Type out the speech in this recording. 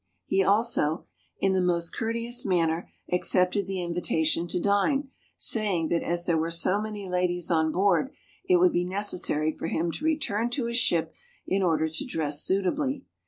He also, in the most courteous manner, accepted the invitation to dine, saying that as there were so many ladies on board it would be neces sary for him to return to his ship in order to dress suitably.